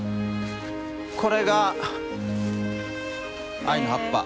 これが藍の葉っぱ。